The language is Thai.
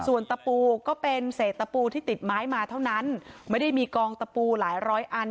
ส่วนตะปูก็เป็นเศษตะปูที่ติดไม้มาเท่านั้นไม่ได้มีกองตะปูหลายร้อยอัน